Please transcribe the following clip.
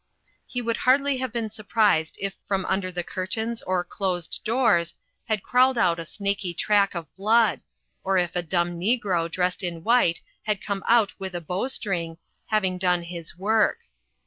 He would hardly have been surprised if from under the curtains oc closed doors had crawled out a snakey track of blood, or if a dumb negro dressed in white had come out with a bow string, having done his work.